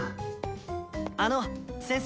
あの先生！